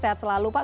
sehat selalu pak